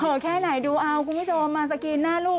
แค่ไหนดูเอาคุณผู้ชมมาสกรีนหน้าลูก